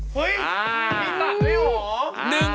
เฮ้ยที่ตัดไม่เหรอ